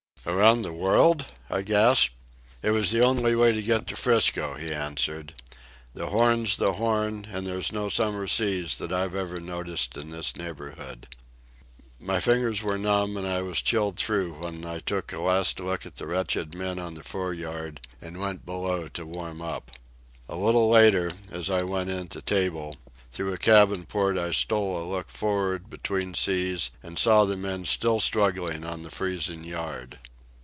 "Around the world?" I gasped. "It was the only way to get to 'Frisco," he answered. "The Horn's the Horn, and there's no summer seas that I've ever noticed in this neighbourhood." My fingers were numb and I was chilled through when I took a last look at the wretched men on the fore yard and went below to warm up. A little later, as I went in to table, through a cabin port I stole a look for'ard between seas and saw the men still struggling on the freezing yard.